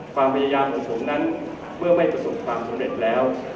ความพยายามของผมนั้นเมื่อไม่ประสบความสำเร็จแล้ว